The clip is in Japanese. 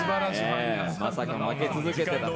まさか負け続けていた。